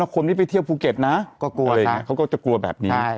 คนที่ไปเที่ยวภูเก็ตนะก็กลัวอะไรอย่างนี้เขาก็จะกลัวแบบนี้